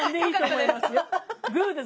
グーです。